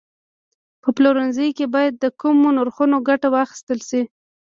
په پلورنځي کې باید د کمو نرخونو ګټه واخیستل شي.